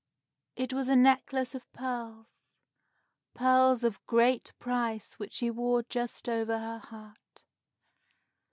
It was a necklace of pearls, pearls of great price which she wore just over her heart.